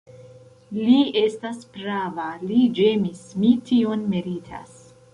Li estas prava, li ĝemis; mi tion meritas.